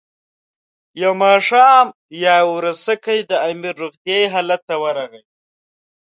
یو ماښام یاورسکي د امیر روغتیایي حالت ته ورغی.